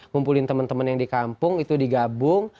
ngumpulin temen temen yang di kampung itu digabung